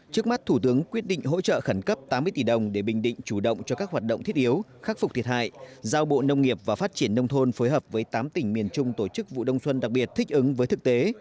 trước mắt thủ tướng quyết định hỗ trợ khẩn cấp tám mươi tỷ đồng để bình định chủ động cho các hoạt động thiết yếu khắc phục thiệt hại giao bộ nông nghiệp và phát triển nông thôn phối hợp với tám tỉnh miền trung tổ chức vụ đông xuân đặc biệt thích ứng với thực tế